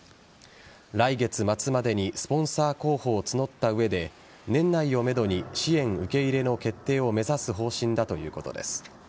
来月末までにスポンサー候補を募った上で年内をめどに支援受け入れの決定を目指す方針だということです。